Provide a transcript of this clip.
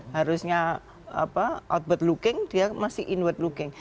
harusnya outward looking dia masih inward looking